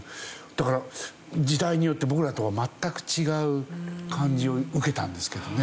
だから時代によって僕らとは全く違う感じを受けたんですけどね。